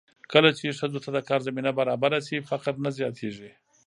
کله چې ښځو ته د کار زمینه برابره شي، فقر نه زیاتېږي.